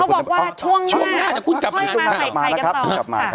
เขาบอกว่าช่วงหน้าค่อยมาไข่ไข่กันต่อ